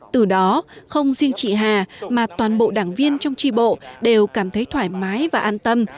từ đó không riêng chị hà mà toàn bộ đảng viên trong tri bộ đều cảm thấy thoải mái và an tâm